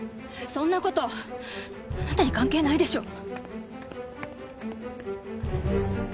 そんな事あなたに関係ないでしょ！